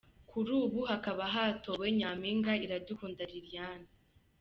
Kuri ubu hakaba hatowe : Nyampinga Iradukunda Liliane.